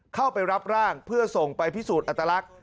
เข้าไปรับร่างเพื่อส่งไปพิสูจน์อัตลักษณ์